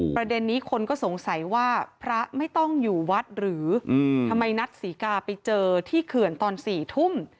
ประเด็นนี้คนก็สงสัยว่าพระไม่ต้องอยู่วัดหรือทำไมนัดศรีกาไปเจอที่เขื่อนตอน๔ทุ่ม